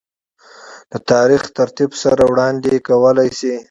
دَ تاريخي ترتيب سره وړاند ې کولے شي